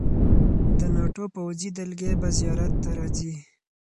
د ناټو پوځي دلګۍ به زیارت ته راځي.